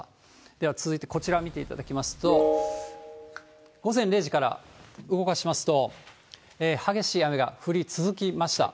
では続いて、こちらを見ていただきますと、午前０時から動かしますと、激しい雨が降り続きました。